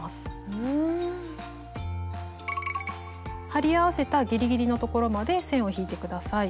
貼り合わせたギリギリのところまで線を引いて下さい。